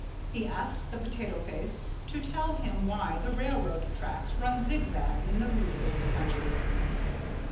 He asked the Potato Face to tell him why the railroad tracks run zigzag in the Rootabaga Country.